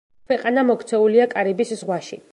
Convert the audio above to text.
ქვეყანა მოქცეულია კარიბის ზღვაში.